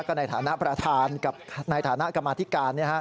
ก็ในฐานะประธานกับในฐานะกรรมาธิการ